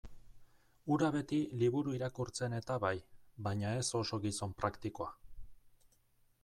Hura beti liburu irakurtzen-eta bai, baina ez oso gizon praktikoa.